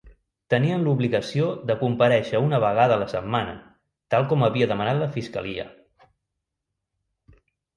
Tenien l'obligació de comparèixer una vegada a la setmana, tal com havia demanat la fiscalia.